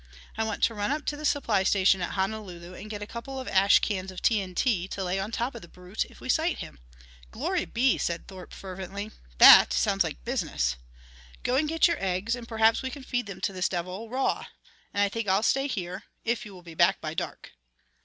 I want to run up to the supply station at Honolulu and get a couple of ash cans of TNT to lay on top of the brute if we sight him." "Glory be!" said Thorpe fervently. "That sounds like business. Go and get your eggs and perhaps we can feed them to this devil raw.... And I think I'll stay here, if you will be back by dark."